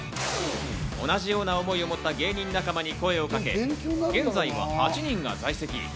同じような思いを持った芸人仲間に声をかけ、現在は８人が在籍。